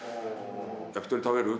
「“焼き鳥食べる？”